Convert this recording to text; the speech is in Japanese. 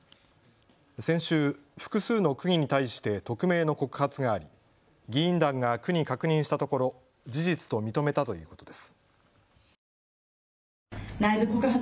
先週、複数の区議に対して匿名の告発があり議員団が区に確認したところ事実と認めたということです。